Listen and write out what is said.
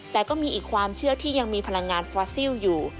แต่ก็มีอีกความเชื่อที่ยังมีพลังงานฟอสซิลอยู่